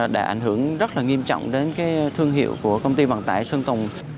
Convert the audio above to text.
đã ảnh hưởng rất nghiêm trọng đến thương hiệu của công ty vận tải sơn tùng